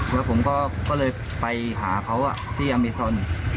แล้วผมก็เลยไปหาเขาที่อเมซอน